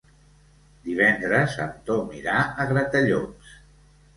Divendres en Tom irà a Gratallops.